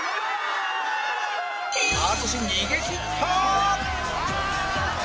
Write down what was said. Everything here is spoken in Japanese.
淳逃げ切った！